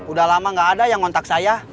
udah lama gak ada yang ngontak saya